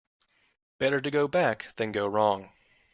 Better to go back than go wrong.